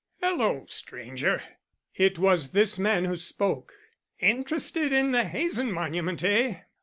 "] "Hello, stranger." It was this man who spoke. "Interested in the Hazen monument, eh?